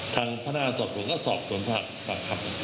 ทางพระนาทธ์สอบส่วนก็สอบส่วนผ่านครับ